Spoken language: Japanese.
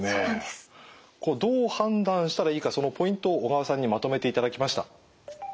どう判断したらいいかそのポイントを小川さんにまとめていただきました。